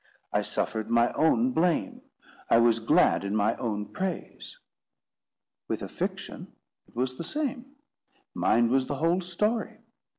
I suffered my own blame; I was glad in my own praise. With a fiction it was the same. Mine was the whole story.